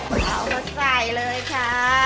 เอามาใส่เลยค่ะ